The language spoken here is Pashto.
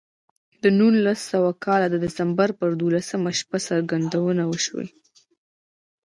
د نولس سوه کال د ډسمبر پر دولسمه شپه څرګندونې وشوې